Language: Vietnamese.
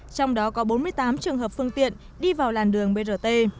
trong đó có bốn mươi tám trường hợp phương tiện đi vào làn đường brt